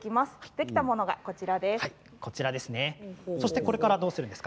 できたものがこちらにあります。